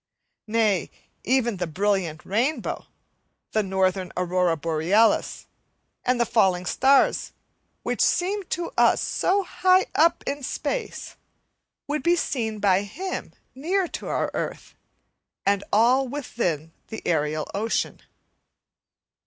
Nay even the brilliant rainbow, the northern aurora borealis, and the falling stars, which seem to us so high up in space, would be seen by him near to our earth, and all within the aerial ocean.